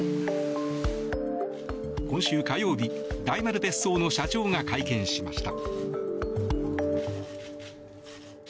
今週火曜日、大丸別荘の社長が会見しました。